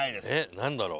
何だろう？